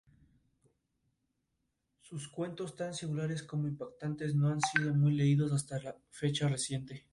El máximo ganador del torneo es ElPozo Murcia, campeón de casi todas las ediciones.